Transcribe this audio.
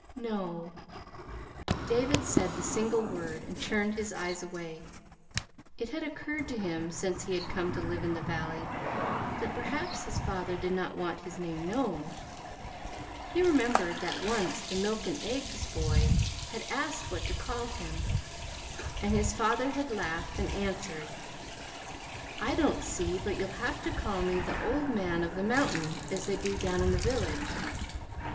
"No." David said the single word, and turned his eyes away. It had occurred to him, since he had come to live in the valley, that perhaps his father did not want to have his name known. He remembered that once the milk and eggs boy had asked what to call him; and his father had laughed and answered: "I don't see but you'll have to call me 'The Old Man of the Mountain,' as they do down in the village."